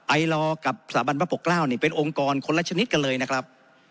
ไอลอร์กับสถาบันพระปกเกล้านี่เป็นองค์กรคนละชนิดกันเลยนะครับ